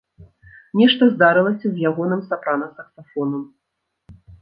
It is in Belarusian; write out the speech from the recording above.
Нешта здарылася з ягоным сапрана-саксафонам.